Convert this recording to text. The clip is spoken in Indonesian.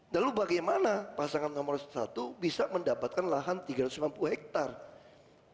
lalu bagaimana pasangan nomor satu bisa mendapatkan lahan tiga ratus lima puluh hektare